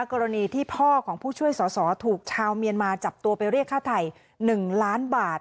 กรณีที่พ่อของผู้ช่วยสอสอถูกชาวเมียนมาจับตัวไปเรียกค่าไทย๑ล้านบาท